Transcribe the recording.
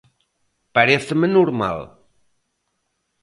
Paréceme normal.